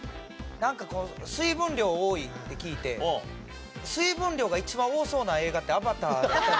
なんか水分量多いって聞いて水分量が１番多そうな映画って『アバター』一択。